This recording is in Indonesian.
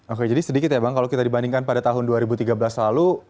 oke jadi sedikit ya bang kalau kita dibandingkan pada tahun dua ribu tiga belas lalu